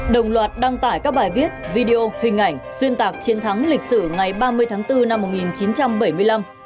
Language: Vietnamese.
đồng loạt đăng tải các bài viết video hình ảnh xuyên tạc chiến thắng lịch sử ngày ba mươi tháng bốn năm một nghìn chín trăm bảy mươi năm